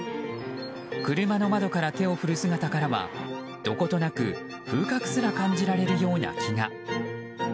車の窓から手を振る姿からはどことなく風格すら感じられるような気が。